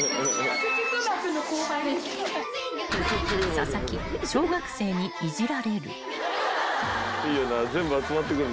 ［佐々木小学生にいじられる］